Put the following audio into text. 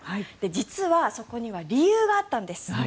実は、そこには理由があったんです。